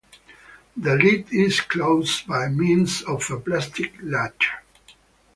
The lid is closed by means of a plastic latch.